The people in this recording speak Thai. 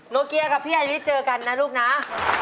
โนเกียร์กับพี่อาริเจอกันนะลูกนะ